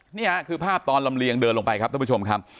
นี่คือภาพตอนลำเลียงเดินลงไปครับท่านผู้ชมครับ